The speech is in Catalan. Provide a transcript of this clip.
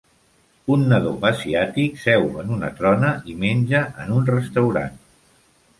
Un nadó asiàtic seu en una trona i menja en un restaurant.